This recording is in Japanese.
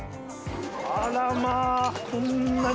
あら、まあ、こんなに。